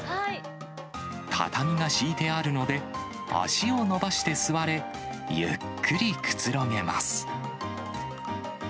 畳が敷いてあるので、足を伸ばして座れ、ゆっくりくつろげます。